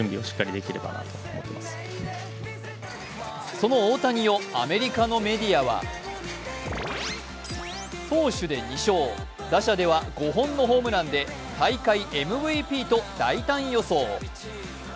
その大谷をアメリカのメディアは投手で２勝、打者では５本のホームランで大会ＭＶＰと大胆予想。